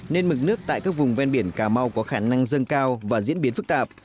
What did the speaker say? nên mực nước tại các vùng ven biển cà mau có khả năng dâng cao và diễn biến phức tạp